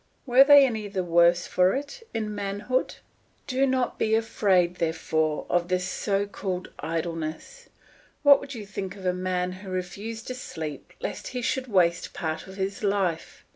Were they any the worse for it in manhood? Do not be afraid, therefore, of this so called idleness. What would you think of a man who refused to sleep lest he should waste part of his life?